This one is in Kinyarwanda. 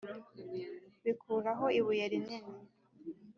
bikuraho ibuye rinini